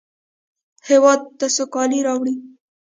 هېواد ته سوکالي راوړئ